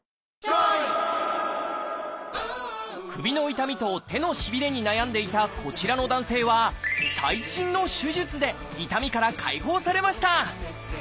首の痛みと手のしびれに悩んでいたこちらの男性は最新の手術で痛みから解放されました。